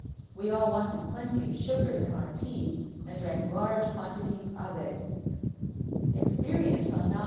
We all wanted plenty of sugar in our tea and drank large quantities of it. Experience on Mt.